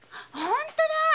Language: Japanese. ほんとだ！